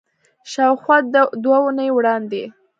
شاوخوا دوه اونۍ وړاندې